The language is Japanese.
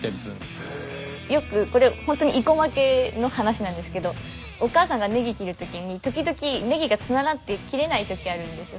よくこれほんとに生駒家の話なんですけどお母さんがネギ切る時に時々ネギがつながって切れない時あるんですよ。